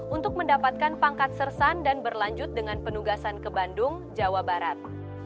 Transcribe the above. untuk mendapatkan pangkat sersan dan berlanjut dengan penugasan ke bandung jawa barat